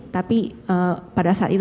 tapi pada saat itu